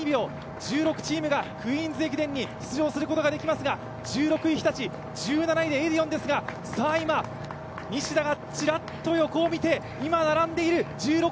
１６チームがクイーンズ駅伝に出場することができますが１６位日立、１７位エディオンですが今、西田がちらっと横を見て、今、１６位が並んでいる。